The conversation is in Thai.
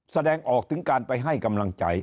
แสดงออกถึงการไปให้กำลังใจ